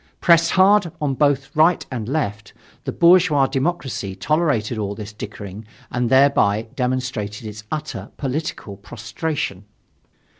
Pressed hard on both right and left, the bourgeois democracy tolerated all this dickering, and thereby demonstrated its utter political prostration.